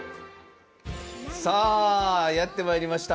やってまいりました。